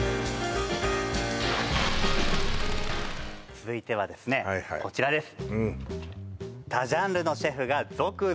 続いてはですねこちらです